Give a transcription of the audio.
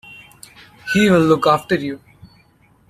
He will look after you.